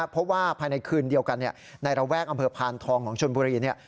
เพราะว่าภายในคืนเดียวกันในระแวกอำเภอพานทองของชนบุรี